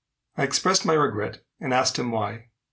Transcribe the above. I expressed my regret, and asked him why.